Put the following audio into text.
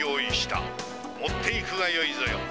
持っていくがよいぞよ。